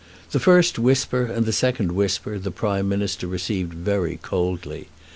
The first whisper and the second whisper the Prime Minister received very coldly.